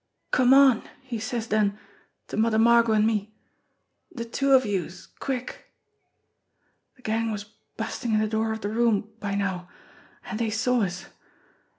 'Come on!' he says den to Mother Margot an' me. 'De two of youse! Quick!' "De gang was bustin' in de door of de room by now, an' dey saw us.